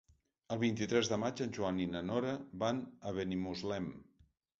El vint-i-tres de maig en Joan i na Nora van a Benimuslem.